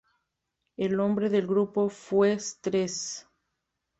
El nombre del grupo fue Stress.